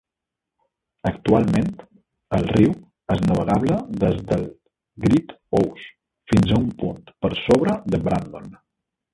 Actualment, el riu és navegable des del Great Ouse fins a un punt per sobre de Brandon.